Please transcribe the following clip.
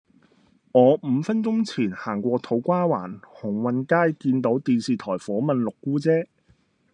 我五分鐘前行過土瓜灣鴻運街見到電視台訪問六姑姐